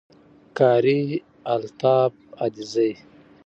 Qari Altaf Adezai